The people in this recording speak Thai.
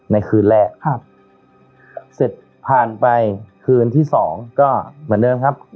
ในคืนแรกครับเสร็จผ่านไปคืนที่สองก็เหมือนเดิมครับ